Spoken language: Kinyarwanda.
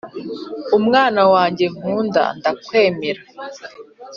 Umwana wanjye nkunda ndakwemera